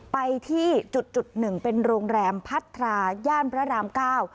ไปที่จุดจุดหนึ่งเป็นโรงแรมพัทราย่านพระรามเก้า